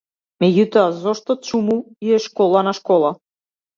Меѓутоа зошто, чуму ѝ е школа на школа?